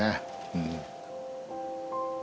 うん。